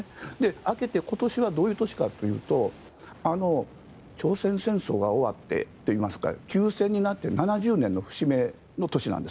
明けて今年はどういう年かというと朝鮮戦争が終わってといいますか休戦になって７０年の節目の年なんです。